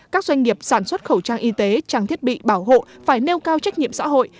các doanh nghiệp sản xuất khẩu trang y tế trang thiết bị bảo hộ phải nêu cao trách nhiệm xã hội